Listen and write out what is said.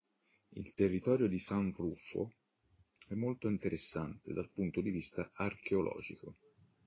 Il territorio di San Rufo è molto interessante dal punto di vista archeologico.